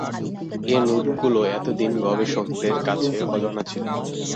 এ নোটগুলো এত দিন গবেষকেদের কাছে অজানা ছিল।